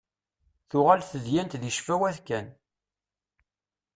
Tuɣal tedyant deg ccfawat kan.